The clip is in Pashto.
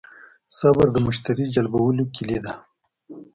صبر د مشتری جلبولو کیلي ده.